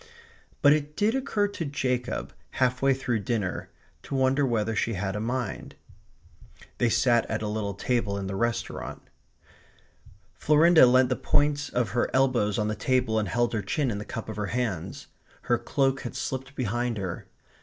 But it did occur to Jacob, half way through dinner, to wonder whether she had a mind. They sat at a little table in the restaurant. Florinda leant the points of her elbows on the table and held her chin in the cup of her hands. Her cloak had slipped behind her.